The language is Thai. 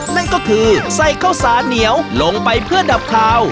นั่นก็คือใส่ข้าวสารเหนียวลงไปเพื่อดับคาว